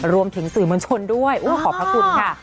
รวมถึงสื่อมวลชนด้วยขอบพระคุณค่ะ